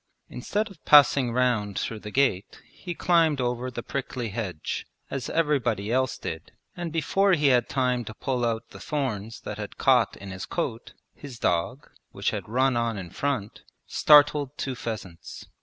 Instead of passing round through the gate he climbed over the prickly hedge, as everybody else did, and before he had had time to pull out the thorns that had caught in his coat, his dog, which had run on in front, started two pheasants.